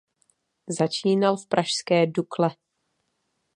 Začínal v pražské Dukle.